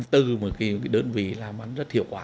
từ một cái đơn vị làm bán rất hiệu quả